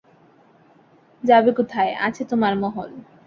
যাবে কোথায়, আছে তোমার মহল।